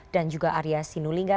dan juga arya sinulinga